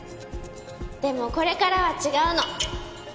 でもこれからは違うの。